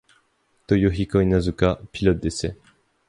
Toyohiko Inuzuka, pilote d'essais.